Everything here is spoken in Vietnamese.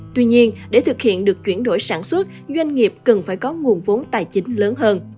tuy nhiên để thực hiện được chuyển đổi sản xuất doanh nghiệp cần phải có nguồn vốn tài chính lớn hơn